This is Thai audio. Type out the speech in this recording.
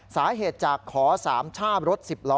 สาเหตุจากขอสามช่ารถ๑๐ล้อ